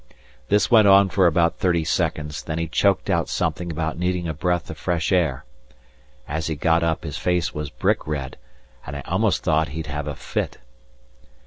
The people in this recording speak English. This went on for about thirty seconds, when he choked out something about needing a breath of fresh air. As he got up his face was brick red, and I almost thought he'd have a fit.